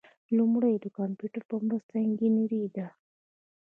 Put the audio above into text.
لومړی د کمپیوټر په مرسته انجنیری ده.